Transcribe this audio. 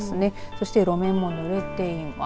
そして路面もぬれています。